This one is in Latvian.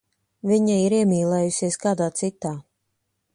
Viņa ir iemīlējusies kādā citā.